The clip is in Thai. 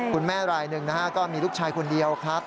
รายหนึ่งนะฮะก็มีลูกชายคนเดียวครับ